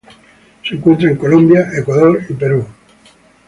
Se encuentra en Colombia, Ecuador y Perú.